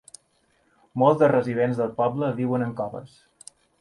Molts dels residents del poble viuen en coves.